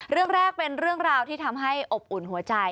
เรื่องแรกเป็นเรื่องราวที่ทำให้อบอุ่นหัวใจ